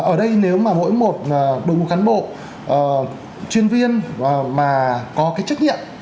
ở đây nếu mà mỗi một đội ngũ cán bộ chuyên viên mà có cái trách nhiệm